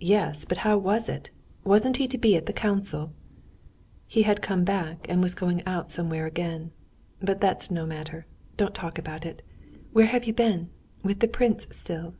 "Yes; but how was it? Wasn't he to be at the council?" "He had been and come back, and was going out somewhere again. But that's no matter. Don't talk about it. Where have you been? With the prince still?"